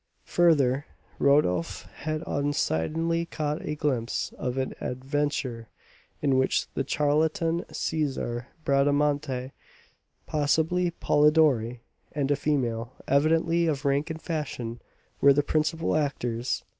Further, Rodolph had undesignedly caught a glimpse of an adventure in which the charlatan César Bradamanti (possibly Polidori) and a female, evidently of rank and fashion, were the principal actors.